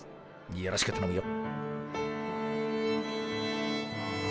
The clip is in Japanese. よろしくたのむよ。